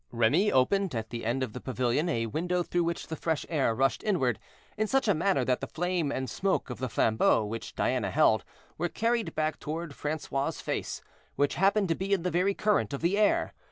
Remy opened, at the end of the pavilion, a window through which the fresh air rushed inward, in such a manner that the flame and smoke of the flambeau, which Diana held, were carried back toward Francois' face, which happened to be in the very current of the air.